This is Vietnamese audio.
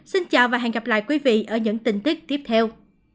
xin chào và hẹn gặp lại quý vị ở những tin tức tiếp theo